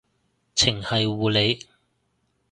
程繫護理